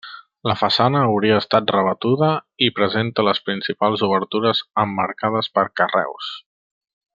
La façana hauria estat rebatuda i presenta les principals obertures emmarcades per carreus.